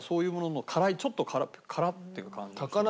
「ちょっと辛っ！」っていう感じ。